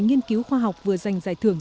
nghiên cứu khoa học vừa giành giải thưởng